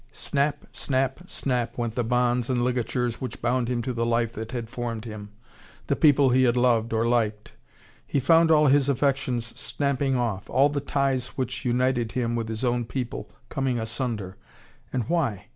Snap, snap, snap went the bonds and ligatures which bound him to the life that had formed him, the people he had loved or liked. He found all his affections snapping off, all the ties which united him with his own people coming asunder. And why?